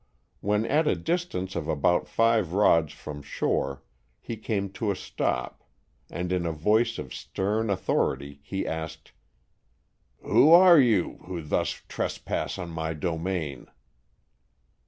When at a distance of about five rods from shore, he came to a stop and in a voice of stern authority he asked: 16 Storks from the Adirondack^. "Who are you who thus trespass on my domain?"